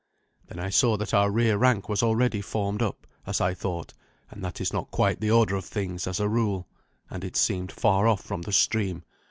Then I saw that our rear rank was already formed up, as I thought, and that is not quite the order of things, as a rule, and it seemed far off from the stream.